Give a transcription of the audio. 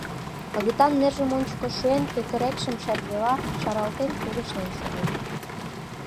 Агытан нержым ончыко шуен, кекырекшым шергела шаралтен, кугешнен шоген.